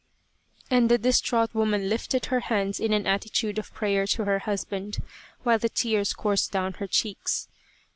and the distraught woman lifted her hands in an attitude of prayer to her husband, while the tears coursed down her cheeks.